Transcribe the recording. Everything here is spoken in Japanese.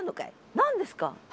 何ですか？